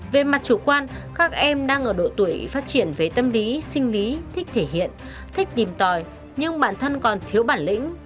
về mặt chủ quan các em đang ở độ tuổi phát triển về tâm lý sinh lý thích thể hiện thích tìm tòi nhưng bản thân còn thiếu bản lĩnh